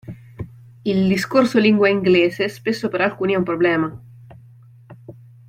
Il discorso lingua inglese spesso per alcuni è un problema.